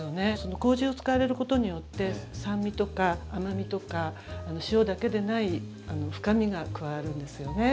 麹を使われることによって酸味とか甘みとか塩だけでない深みが加わるんですよね。